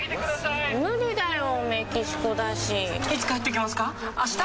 いつ帰ってきますか？